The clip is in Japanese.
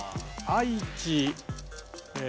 愛知。